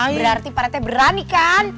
berarti pak rete berani kan